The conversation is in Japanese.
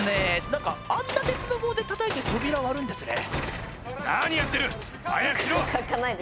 何かあんな鉄の棒で叩いて扉を割るんですね